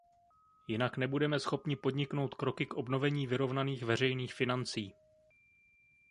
Jinak nebudeme schopni podniknout kroky k obnovení vyrovnaných veřejných financí.